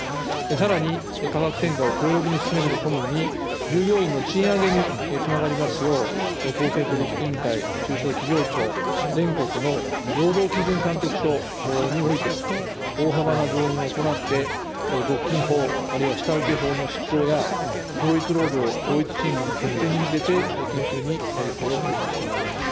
さらに、価格転嫁を強力に進めるとともに、従業員の賃上げにつながりますよう、公正取引委員会、中小企業庁、全国の労働基準監督署において、大幅な増員を行って、独禁法、あるいは下請法の執行や、同一労働同一賃金の徹底に向けて緊急に体制を強化してまいります。